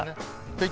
はい。